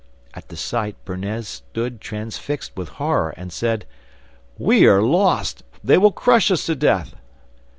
At the sight Bernez stood transfixed with horror, and said, 'We are lost! They will crush us to death.